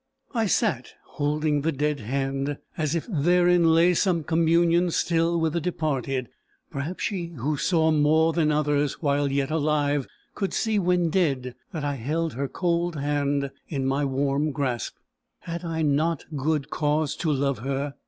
I sat holding the dead hand, as if therein lay some communion still with the departed. Perhaps she who saw more than others while yet alive, could see when dead that I held her cold hand in my warm grasp. Had I not good cause to love her?